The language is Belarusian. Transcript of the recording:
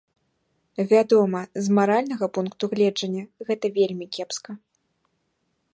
Вядома, з маральнага пункту гледжання гэта вельмі кепска.